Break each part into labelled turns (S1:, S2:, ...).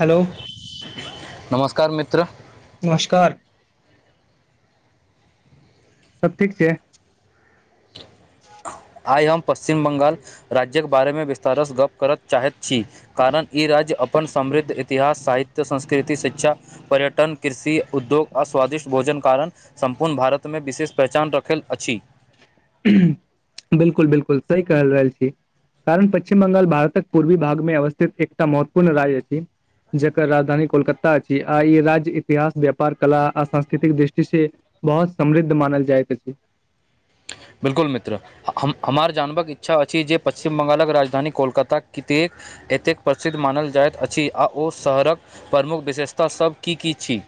S1: hello
S2: कर मित्र
S1: नमस्कार सब ठीक छै
S2: आइ हम पश्चिम बंगाल राज्यक बारेमे विस्तारसँ गप करत चाहैत छी कारण ई राज्य अपन समृद्ध इतिहास साहित्य संस्कृति शिक्षा पर्यटन कृषि उद्योग आ स्वादिष्ट भोजन कारण सम्पूर्ण भारतमे विशेष पहचान रखल अछि
S1: बिलकुल बिलकुल सही कहल रहल छी कारण पश्चिम बंगाल भारतक पूर्वी भागमे अवस्थित एकटा महत्वपूर्ण राज्य छी जकर राजधानी कोलकाता अछि आ ई राज्य इतिहास व्यापार कला आ सांस्कृतिक दृष्टिसँ बहुत समृद्ध मानल जाइत अछि
S2: बिल्कुल मित्र हमार जानवक इच्छा अछि जे पश्चिम बंगालक राजधानी कोलकता कते एतेक प्रसिद्ध मानल जाइत अछि आ ओ शहरक प्रमुख विशेषतासभ की की छी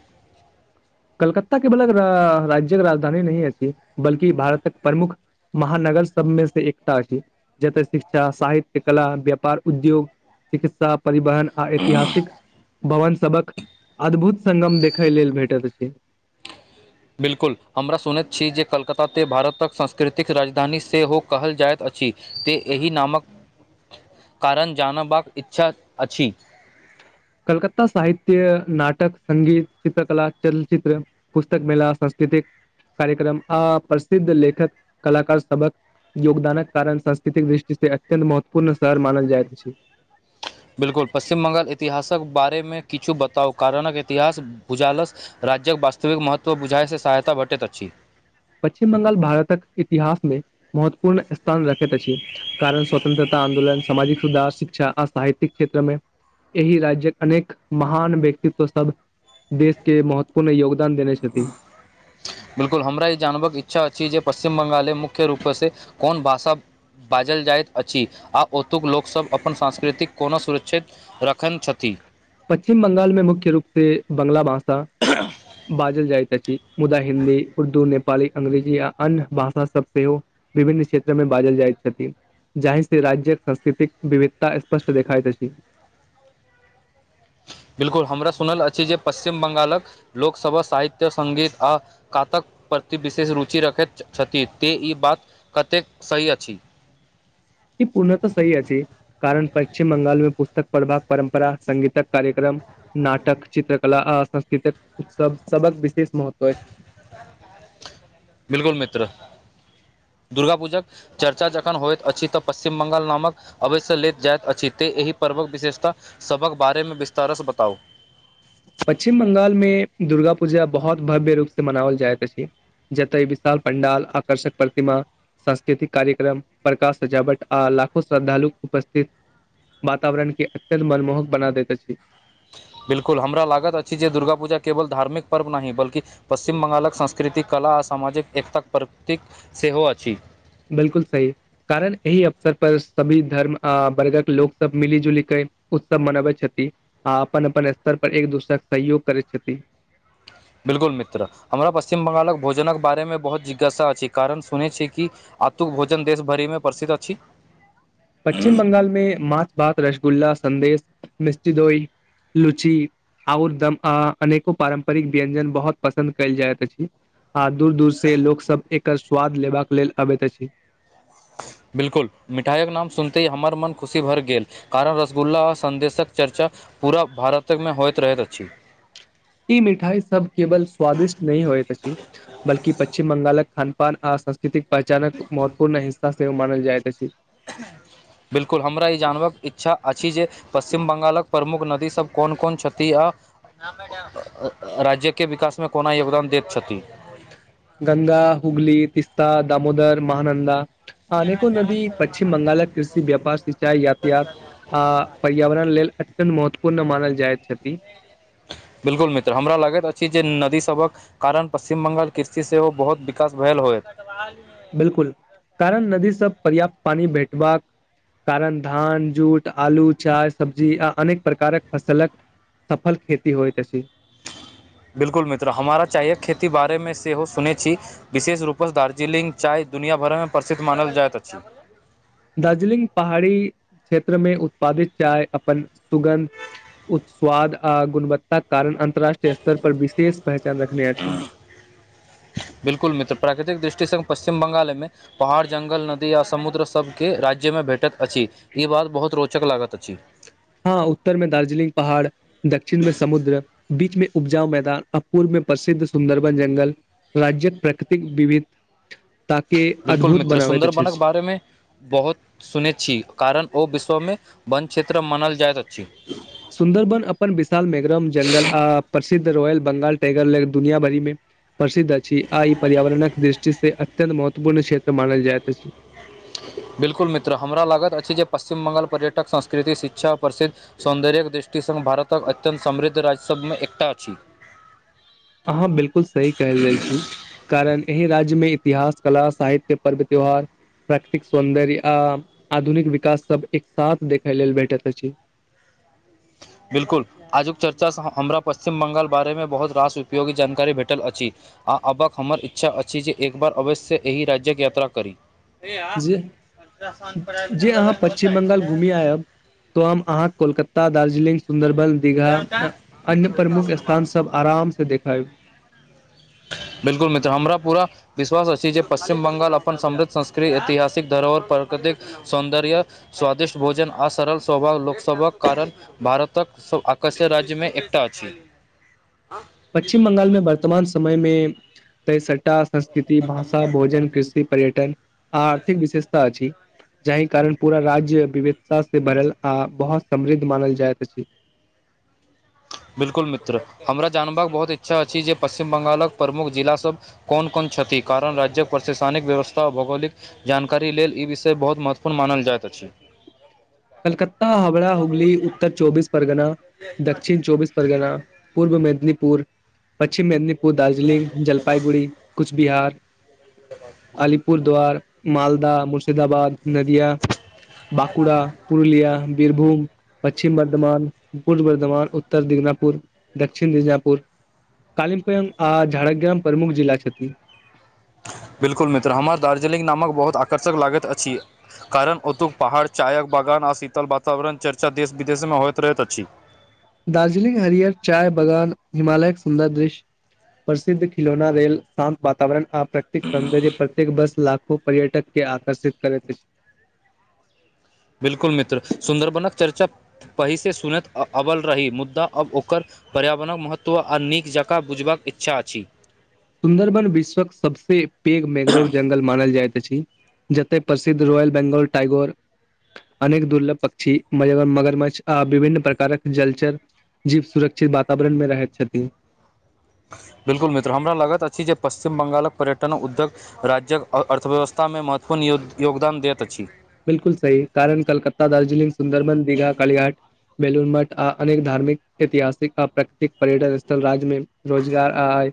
S1: कलकत्ता केवल राज्यक राजधानी नहि अछि बल्कि भारतक प्रमुख महानगर सबमे से एकता अछि जतय शिक्षा साहित्य कला व्यापार उद्योग चिकित्सा परिवहन आ ऐतिहासिक भवन सभक अद्भुत संगम देखय लेल भेटैत अछि छी
S2: बिल्कुल हमरा सुनैत छी जे कलकता तऽ भारतक सांस्कृतिक राजधानी सेहो कहल जाइत अछि छि तऽ एहि नामक कारण जानबाक इच्छा अछि
S1: कलकता साहित्य नाटक संगीत चित्रकला चलचित्र पुस्तक मेला संस् कृतिक कार्यक्रम आ प्रसिद्ध लेखक कलाकार सबक योगदानक कारण सांस्कृतिक दृष्टिसँ अत्यन्त महत्वपूर्ण शहर मानल जाइत अछि
S2: बिलकुल पश्चिम बंगाल एतिहासक बारेमे किछु बताउ कारणक इतिहास भुजालस रह राज्यक वास्तविक महत्व बुझाइ से सहायता भटैत अछि
S1: पश्चिम बंगाल भारतक इतिहासमे महत्वपूर्ण स्थान रखैत अछि कारण स्वतंत्रता आन्दोलन सामाजिक सुधार शिक्षा आ साहित्यिक क्षेत्रमे एहि राज्य्यक अनेक महान व्यक्तित्व सब देशके महत्वपूर्ण योग
S2: बिलकुल हमरा ई जानबक इच्छा अछि जे पश्चिम बंगालमे मुख्य रूपसँ कोन भाषा बाजल जाइत अछि आ ओतुक लोकसभ अपन संस्कृतिक कोना सुरक्षित रखैन छथि
S1: पश्चिम बंगाल मे मुख्य रूप से बांगला भाषा बाजल जाइत अछि मुदा हिन्दी उर्दू नेपाली अंग्रेजी आ अन्य भाषा सभ सेहो विभिन्न क्षेत्रमे बाजल जाइत छथि जाहिसँ राज्यक संस्कृतिक विविधता स्पष्ट देखाइत अछि
S2: [unintelligible] बिल्कुल हमरा सुनल अछि जे पश्चिम बंगालक लोकसभा साहित्य सङ्गीत आ कातक प्रति विशेष रुचि रखैत छथि ते ई बात कतेक सही अछि [unintelligible]
S1: ई पूर्णःत सही अछि कारण पश्चिम बंगाल मे पुस्तक प्रभाक परम्परा संगीत कार्यक्रम नाटक चित्रकला आ संस्कृतिक उत्सव सबक विशेष महत्व छै
S2: बिलकुल मित्र दुर्गा पूजाक चर्चा जखन होइत अछि तऽ पश्चिम बंगाल नामक अवश्य लैत जाइत अछि एहि पर्वक विशेषता सभक बारेमे विस्तारसँ बताउ
S1: पश्चिम बंगाल मे दुर्गा पूजा बहुत भव्य रूप से मनाओल जाइत अछि जतय विशाल पंडाल आकर्षक प्रतिमा सांस्कृतिक कार्यक्रम प्रकाश सजावट आ लाखो श्रद्धालु उपस्थित वातावरणके अत्यन्त मनमोहक बना दैत अछि
S2: बिल्कुल हमरा लागत अछि जे दुर्गाापूजा केवल धार्मिक पर्व नहि बलकि पश्चिम बंगालक संस्कृतिक क कला आ सामाजिक एकताक प्रकतिक सेहो अछि
S1: बिलकुल सही कारण एहि अवसर पर सभी धर्म आ वर्गक लोक सब मिली जुली कर उत्सव मनबै छथि आ अपन अपन स्तर पर एक दोसरा के सहयोग करै छथि
S2: [inaudible] बिलकुल मित्र हमरा पश्चिम बंगालक भोजनक बारेमे बहुत जिज्ञासा अछि कारण सुनै छी कि आतुक भोजन देश भरि मे प्रसिद्ध अछि
S1: पश्चिम बंगाल मे माछ भात रसगुल्ला संदेश मिस्टिदोई लुची आओर दम अ अनेको पारम्परिक व्यंजन बहुत पसन्द कयल जाइत अछि आ दूर दूरसँ लोकसभ एकर स्वाद लेबाक लेल अबैत अछि
S2: बिल्कुल मिठाईक नाम सुनते हमर मन खुशी भर गेल कारण रसगुल्ला आ संन्देशक चर्चा पूरा भारतमे होइत रहैत अछि
S1: ई मिठाई सब केवल स्वादिष्ट नहि होयत अछि बलकि पश्चिम बंगालक खान अपन आ संस्कृतिक पहचानक महत्वपूर्ण हिस्सा से मानल जाइत अछि
S2: ह बिल्कुल हमरा ई जानबाक इच्छा अछि जे पश्चिम बंगालक प्रमुख नदीसभ कोन कोन क्षति आ राज्यके विकासमे कोना योगदान दैत छथि
S1: ता दामोदर महानन्दा आनेको नदी पश्चिम बंगालक कृषि व्यापार सिंचाई यातयात आ पर्यावरण लेल अत्यन्त महत्वपूर्ण मानल जाइत छथि
S2: [inaudible] बिल्कुल मित्र हमरा लागैत अछि जे नदी सबक कारण पश्चछिम बंगाल कृषि सेहो बहुत विकास भेल होय कब [inaudible]
S1: बिलकुल कारण नदीसँ पर्याप्त पानी भेटबाक कारण धान जूट आलू चाय सब्जी आ अनेक प्रकारक फसलक सफल खेती होय तस
S2: बिल्कुल मित्र हमारा चायक खेती बारेमे सेहो सुनैत छी विशेष रूपसँ दार्जिलिंग चाय दुनिया भरमे प्रसिद्ध मानल जाइत अछि
S1: दार्जिलिंग पहाड़ी क्षेत्र मे उत्पादित चाय अपन सुगन्ध उ स्वाद आ गुणवत्ता कारण अन्तर्राष्ट्रीय स्तर पर विशेष पहचान रखने अछि
S2: बिलकुल मित्र प्राकृतिक दृष्टिसँ पश्चिम बंगालमे पहाड़ जंगल नदी आ समुद्र सभके राज्यमे भेटैत अछि ई बात बहुत रोचक लागत अछि
S1: हँ उत्तर मे दार्जिलिंग पहाड़ दक्षिण मे समुद्र बीच मे उपजाउ मैदान अपूुर में प्रसिद्ध सुन्दरबन जंगल राज्य्यक प्राकृतिक विविध ताकि
S2: बिलकुल मित्र सुन्दर बनक बारे मे बहुत सुनेै छी कारण ओ विश्व मे वन क्षेत्र मानल जाइत अछि
S1: सुन्दरबन अपन विशाल मेघरम जंगल आ प्रिद्ध रॉयल बंगाल टाइगर लेग दुनिया भरि मे प्रसिद्ध अछि आ ई पर्यावरणक दृष्टिसँ से अत्यन्त महत्वपूर्ण क्षेत्र मानल जाइतइत छै
S2: बिल्कुल मित्र हमरा लागत अछि जे पश्चिम बंगाल पर्यटक संस्कृति शिक्षा प्रिद्ध सौन्दर्य्यक दृष्टि श्यक्तिसङघ भारतक अत्यन् समृद्ध राज्य सभमे एकटा अछि
S1: अहाँ बिलकुल सही कह रहल छी कारण एहि राज्य राज्य मे इतिहास कला साहित्य पर्व त्यौहार प्राकृतिक सौन्दर्य आ आधुनिक विकास सब एक साथ देखै लेल भेटैत अछि
S2: आ [inaudible] बिलकुल आजुक चर्चासँ हमरा पश्चिम ब्ंगाल बारेमे बहुत रास उपयोगी जानकारी भेटल अछि आ अबक हमर इच्छा अछि जे एक बार अवश्य एहि राज्यक यात्रा करी हय
S1: जे
S2: अलट्रासाउंड प
S1: जे अहाँ
S2: बगलमे
S1: पश्चिम
S2: रह
S1: बंगाल
S2: छी त [inaudible]
S1: घूमि आयब तो हम अहाँ कोलक दार्जिलिंग सुन्दरबन दीघा अन्य प्रमुख स्थान सब आराम से देखब
S2: [inaudible] बिल्कुल मित्र हमरा पूरा विश्वास अछि जे पश्चिम बंगाल अपन समृद्ध संस्कृति ऐतिहासिक धरोहर पर अधिक सौन्दर्य स्वादिष्ट भोजन आ सरल स्वभाव लोकसभक कारण भारतक स्व आकाशे राज्यमे एकटा अछि
S1: पश्चिम बंगालमे वर्तमान समय मे तसटा स्थित भाषा भोजन कृषि पर्यटन आ आर्थिक विशेषता अछि जाहि कारण पूरा राज्य विविधताँ भरल आ बहुत समृद्ध मानल जाइत अछि
S2: [inaudible] बिल्कुल मित्र हमरा जानबाक बहुत इच्छा अछि जे पश्चिम बंगालक प्रमुख जिलासभ कोन कोन छथि कारण राज्यक प्रशासनिक व्यवस्था आ भौगोलिक जानकारी लेल ई विषय बहुत महत्वपूर्ण मानल जाइत अछि ह [inaudible]
S1: कलकत्ता हावड़ा हुगली उत्तर चौबीस परगना दक्षिण चौबीस परगना पूर्व मेदनीपुर पश्चिम मेदनीपुर ओ दार्जिलिंग जलपाइगुड़ी कुछ बिहार अलिपुरद्वार मालदाह मुर्शिदाबाद नदिया बाँकुड़ा वीरभूम पश्चिम बर्धमान पूर्व बर्धमान उत्तर दिजनापुर दक्षिण दिजनापुर कालीमपुर आ झड़ग्राम प्रमुख जिला छथि
S2: बिल्कुल मित्र हमर दार्जिलिंग नामक बहुत आकर्षक लागैत अछि कारण ओतुक पहाड़ चायक बागान आ शीतल वातावरण चर्चा देश विदेशमे होइत रहैत अछि
S1: दार्जिलिंग हरिहर चाय बगान हिमालयके सुन्दर दृश्य प्रसिद्ध खिलौना रेल शान्त वातावरण आ प्रतेक सौन्दर्य प्रत्येक बस लाखो पर्यटक के आकर्षित करैत अछि
S2: बिल्कुल मित्र सुन्दरबनक चर्चा पहिसँ सुनैत अबल रही मुद्दा अब ओकर पर्यावरणक महत्व तो आ नीक जकाँ बुझबाक इच्छा अछि
S1: सुन्दरबन विश्वक सबसँ पेघ मैग्रोव जंगल मानल जायत छी जते प्रसिद्ध रॉयल बेंगौल टाइगोर अनेक दुर्लभ पक्षी मगरम्छ आ विभिन्न प्रकारक जलचर जीव सुरक्षित वातावरणमे रहैत छथिन
S2: ह [inaudible] बिल्कुल मित्र हमरा लागत अछि जे पश्चिम बंगालक पर्यटन उद्योग राज्य्यक अर्थव्यवस्था मे महत्वपूर्ण योगदान दैत अछि
S1: बिलकुल सही कारण कलकत्ता दार्जिलिंग सुंन्दरबन दीघा कलिघाट बेलूर मठ आ अनेक धार्मिक ऐतिहासिक आ प्राकृतिक पर्यटन स्थल राज्य मे रोजगार आय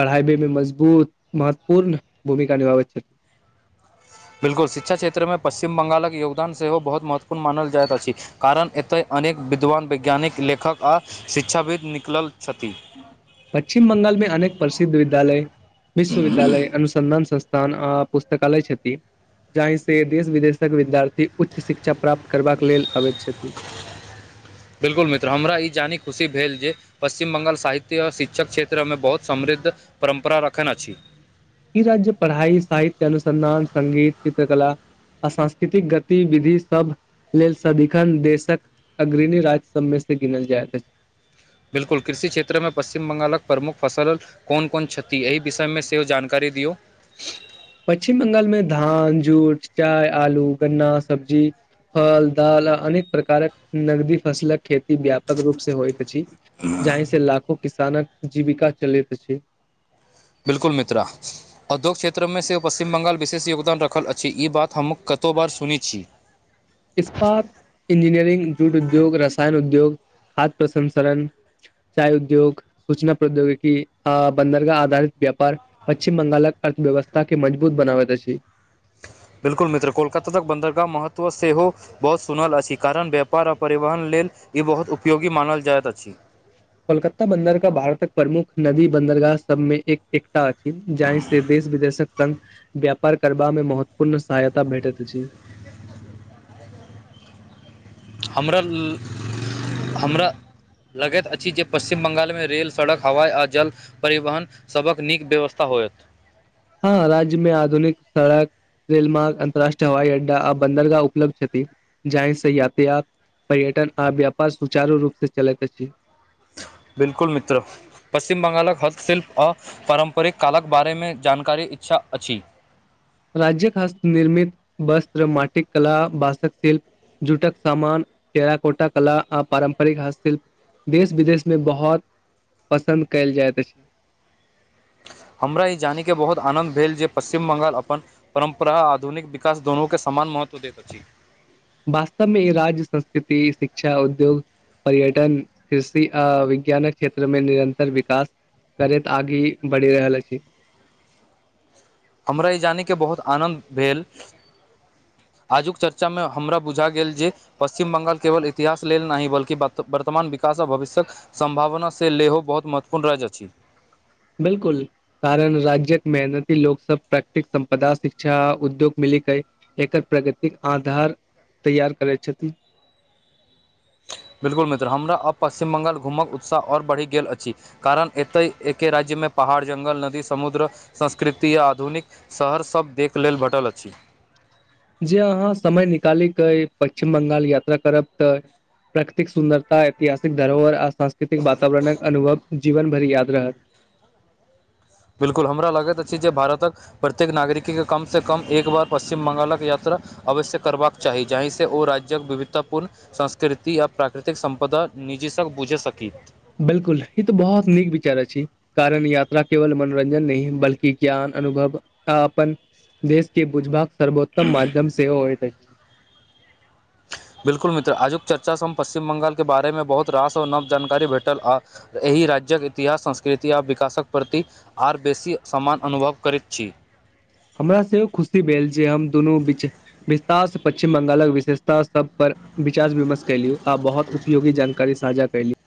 S1: बढ़ाबे मे मजबूत महत्वपूर्ण भूमिका निभाबैत छथि
S2: [inaudible] बिल्कुल शिक्षा क्षेत्र मे पश्चिम बंगालक योगदान सेहो बहुत महत्वपूर्ण मानल जाइत अछि कारण एतय अनेक विद्वान वैज्ञानिक लेखक आ शिक्षाविद निकलल छथि
S1: पश्चिम बंगाल मे अनेक प्रसिद्ध विद्यालय विश्वविद्यालय अनुसन्धान संस्था पुस्तकालय छथि जाहिसँ देश विदेशक विद्यार्थी उच्च शिक्षा प्राप्त करबाक लेल आबैत छथि
S2: [inaudible] बिलकुल मित्र हमरा ई जानी खुशी भेल जे पश्चिम बंगाल साहित्य आ शिक्षक क्षेत्रमे बहुत समृद्ध परम्परा रखने अछि
S1: ई राज्य पढ़ाइ साहित्य अनुसन्धान सगीत चित्रकला अ सांस्कृतिक गतिविधि सब लेल सदिखन देशक अग्रणी राज्य सभमे से गिनल जाइत अछि
S2: बिलकुल कृषि क्षेत्र मे पश्चिम बंगालक प्रमुख फसल कोन कोन क्षति एहि विषय मे सेहो जानकारी दे दियौ
S1: पश्चिम बंगालमे धान जूट चाय आलू गन्ना सब्जी फल दाल अनेक प्रकारक नगदी फसल खेती व्यापक रूप से होइत अछि जाहि से लाखो किसानक जीविका चलैत अछि
S2: बिलकुल मित्र उद्योगिक क्षेत्रमे सेहो पश्चिम बङ्ंगाल विशेष योगदान रखल अछि ई बात हम कतहु बार सुनैत छी
S1: इस्पात इंजीनियरिंग जूट उद्योग रसायन उद्योग खाद्य प्रसंसण चाय उद्योग सूचना प्रौद्योगिकी आ बन्दरगाह आधारित व्यापार पश्चिम बंगालक अर्थव्यवस्था के मजबूत बनाबैत छै
S2: ह [inaudible] बिलकुल मित्र कोलकाता तक बन्दरगाह महत्व सेहो बहुत सुनल असी कारण व्यापार आ परिवहन लेल ई बहुत उपयोगी मानल जाइत अछि
S1: कोलकाता बंन्दरगाह भारतक प्रमुख नदी बंन्दरगाह सबमे एक एक थि जाहि से देश विदेशक संग व्यापार करबामे महत्वपूर्ण सहायता भेटैत अछि
S2: हमरा हमरा लगैत अछि जे पश्चिम बंगाल मे रेल सड़क हवाई आ जल परिवहन सभक नीक व्यवस्था हो होयत
S1: हँ राज्यमे आधुनिक सड़क रेल मर्ग अन्तरराष्ट्रीय हवई अड्डा आ बन्दरगाह उलब्ध जाहि स यातयात पर्यटन आ व्यापार सुचारू रूपसँ चलैत अछि
S2: बिलकुल मित्र पश्चिम बंगालक हस्तशिल्प आ पारंपरिक कालक बारेमे जानकारी इच्छा अछि
S1: राज्य खास्त निर्मित वस्त्र माटिक कला बासक शिल्प झूटक सामान पेरा कोटा कला आ पारम्परिक हस्तश्प देश विदेशमे बहुत पसन्द कयल जाइत अछि
S2: [unintelligible] हमरा ई जानी के बहुत आनंन्द भेल जे पश्चिम बंगाल अपन परम्परा आधुनिक विकास दोनू के सम समान महत्व दैत छी
S1: वास्तवमे ई राज्य संस्कृति शिक्षा उद्योग पर्यटन कृषि आ विज्ञानक क्षेत्रमे निरन्तर विकास करेत आगे बढ़ि रहल अछि
S2: हमरा ई जानयके बहुत आनन्द भेल आजुक चर्चा मे हमरा बुझा गेल जे पश्चिम बंगाल केवल इतिहास लेल नहि बल्कि वर्तमान विकास आ भविष्यक सम्भावना से लेहो बहुत महत्वपूर्ण राज्य अछि
S1: बिलकुल कारण राज्य्यक मेहनती लोक सब प्रकृिक संपदा शिक्षा उद्योग मिल एकर प्रगतिक आधार तैयार करैत छथिन
S2: [unintelligible] बिल्कुल मित्र हमरा अब पश्चिम बंगाल घूमक उत्साह ओर बढ़ि गेल अछि कारण एते एके राज्य मे पहाड़ जंगल नदी समुद्र संस्कृति आ आधुनिक शहर सभ देख लेल भेटल अछि [inaudible]
S1: जे अहाँ समय निकालैकेइ पश्चिम बंगाल यात्रा करब तऽ प्राकृतिक सुन्दरता ऐतिहासिक धरोहर सांस्कृतिक वातावरणक अनुभव जीवन भरि याद रहत
S2: बिल्कुल हमरा लगैत अछि जे भारतक प्रत्येक नागरिक के कम से कम एक बार पश्चिम बंगालक याता अवश्य करबाक चाही जाहिसँ ओ राज्य्यक विविधतापूर्ण संस्कृति आ प्राकृतिक संपदा निजसँक बुझे सकी
S1: बिलकुल ई तो बहुत नीक विचार अछि कारण यात्रा केवल मनोरंजन नहि बल्की ज्ञान अनुभव आ अपन देशके बुझभाक सर्वोत्तम माध्यम सेव होइ त
S2: बिल्कुल मित्र आजुक चर्चाँ हम पश्चिम बंगाल के बारे मे बहुत रास आओर नव जानकारी भेटल आ एहि एहि राज्यक इतिहास संस्कृति ओ विकासक प्रति आर बेसी समान अनुभव करैत छी
S1: हमरा सेहो खुशी भेल जे हम दुनू विच विस्तार से पश्चिम बंगालक विशेषता सभ पर विचार विमर्श कलिय आब बहुत उपयोगी जानकारी साझा कली